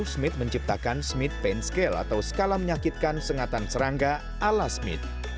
smith menciptakan smith paint scale atau skala menyakitkan sengatan serangga ala smith